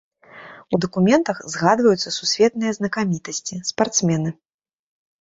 У дакументах згадваюцца сусветныя знакамітасці, спартсмены.